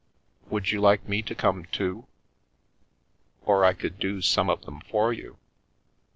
"Would you like me to come too? Or I could do some of them for you.